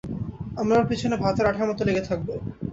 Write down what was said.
আমরা ওর পিছনে ভাতের আঠার মত লেগে থাকবো।